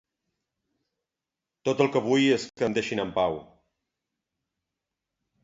Tot el que vull és que em deixin en pau.